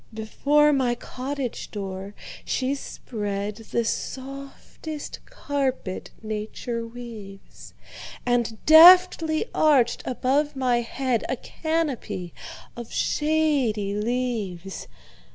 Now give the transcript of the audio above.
Before my cottage door she spreadThe softest carpet nature weaves, And deftly arched above my headA canopy of shady leaves.